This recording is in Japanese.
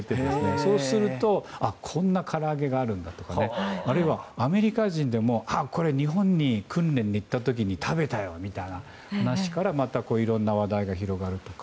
そうするとこんなから揚げがあるんだとかあるいはアメリカ人でも日本に訓練に行った時に食べたよみたいな話からまたいろんな話題が広がるとか。